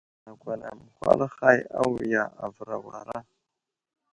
Nakw ane aməhwal hay awiya, avər awara.